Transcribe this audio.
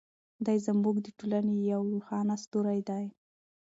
دی زموږ د ټولنې یو روښانه ستوری دی.